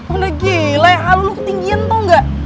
udah gila ya alu lu ketinggian tau gak